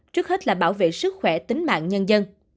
trước hết là bảo vệ sức khỏe tính mạng nhân dân